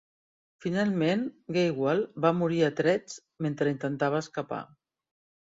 Finalment, Gaywal va morir a trets mentre intentava escapar.